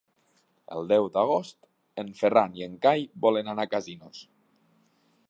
El deu d'agost en Ferran i en Cai volen anar a Casinos.